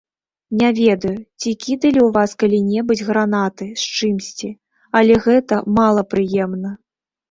Не ведаю, ці кідалі ў вас калі-небудзь гранаты з чымсьці, але гэта малапрыемна.